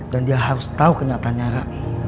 dan dia harus tau kenyataannya ra